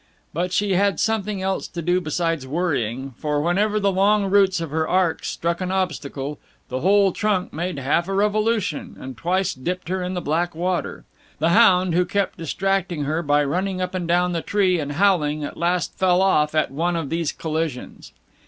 But she had something else to do besides worrying, for whenever the long roots of her ark struck an obstacle, the whole trunk made half a revolution, and twice dipped her in the black water. The hound, who kept distracting her by running up and down the tree and howling, at last fell off at one of these collisions.